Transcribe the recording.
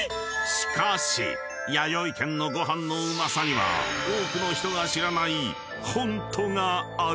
［しかしやよい軒のご飯のうまさには多くの人が知らないホントがある］